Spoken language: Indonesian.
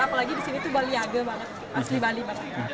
apalagi disini tuh baliage banget asli bali banget